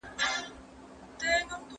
د غړو د لوړي مراسم څنګه ترسره کیږي؟